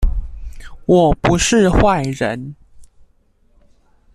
我不是壞人